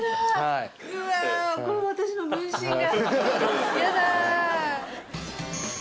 うわこれ私の分身が。